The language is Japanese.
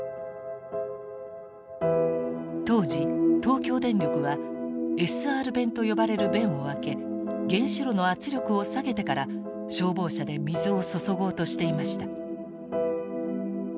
当時東京電力はＳＲ弁と呼ばれる弁を開け原子炉の圧力を下げてから消防車で水を注ごうとしていました。